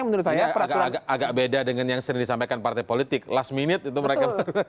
menurut saya agak beda dengan yang sering disampaikan partai politik last minute itu mereka